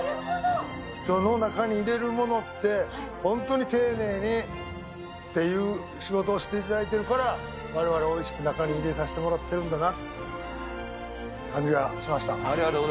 人の中に入れるものって本当に丁寧に仕事していただいてるから我々おいしく中に入れさせてもらっているんだなっていう味がしました。